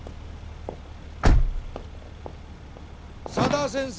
佐田先生